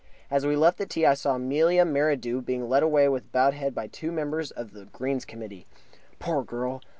As we left the tee I saw Amelia Merridew being led away with bowed head by two members of the Greens Committee. Poor girl!